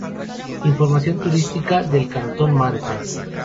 Información turística del cantón Manta